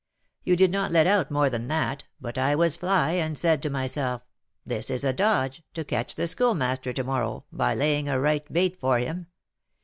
You did not let out more than that, but I was 'fly,' and said to myself, 'This is a "dodge" to catch the Schoolmaster to morrow, by laying a right bait for him.